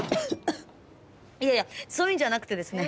いやいやそういうのじゃなくてですね。